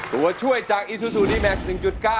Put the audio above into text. ตัวช่วยจากอีซูซูเดมค๑๙